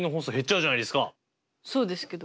そうですけど。